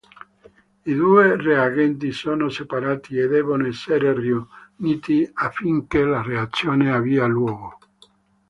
I due reagenti sono separati e devono essere riuniti affinché la reazione abbia luogo.